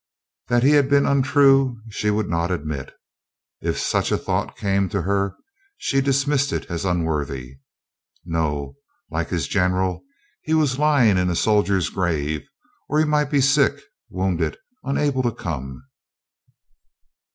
That he had been untrue she would not admit; if such a thought came to her, she dismissed it as unworthy. No! Like his general, he was lying in a soldier's grave; or he might be sick, wounded, unable to come.